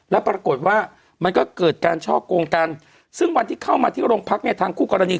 แล้วปรากฏว่ามันก็เกิดการช่อกงกันซึ่งวันที่เข้ามาที่โรงพักเนี่ยทางคู่กรณี